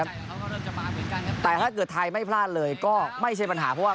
เหมือนกันครับแต่ถ้าเกิดทายไม่พลาดเลยก็ไม่ใช่ปัญหาเพราะว่า